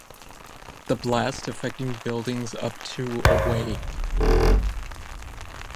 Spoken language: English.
The blast affecting buildings up to away.